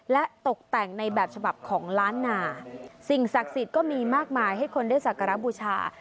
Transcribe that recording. และตกแต่งในแบบฉบับของล้านนาสิ่งศักดิ์สิทธิ์ก็มีมากมายให้คนได้สักการะบูชา